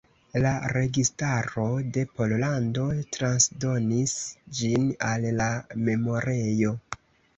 La registaro de Pollando transdonis ĝin al la memorejo.